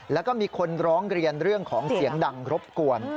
แล้วก็มีคนร้องเรียนเรื่องของเสียงดังรบกวน